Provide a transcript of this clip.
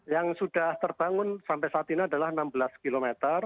yang sudah terbangun sampai saat ini adalah enam belas km